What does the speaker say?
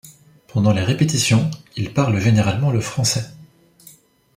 Pendant les répétitions, ils parlent généralement le français.